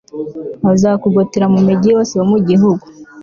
bazakugotera mu migi yose yo mu gihugu